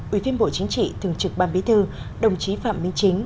ủy viên bộ chính trị thường trực ban bí thư đồng chí phạm minh chính